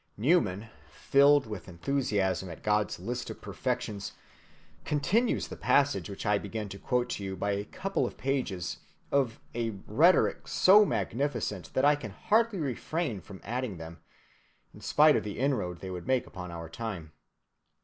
Newman, filled with enthusiasm at God's list of perfections, continues the passage which I began to quote to you by a couple of pages of a rhetoric so magnificent that I can hardly refrain from adding them, in spite of the inroad they would make upon our time.